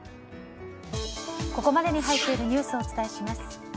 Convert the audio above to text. ここまでに入っているニュースをお伝えします。